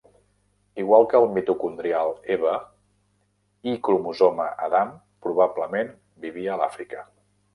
Igual que el mitocondrial "Eva", i-cromosoma "Adam" probablement vivia a l'Àfrica.